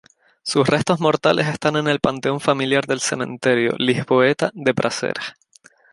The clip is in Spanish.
Sus restos mortales están en el panteón familiar del cementerio lisboeta de Prazeres.